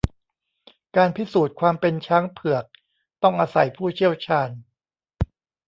การพิสูจน์ความเป็นช้างเผือก ต้องอาศัยผู้เชี่ยวชาญ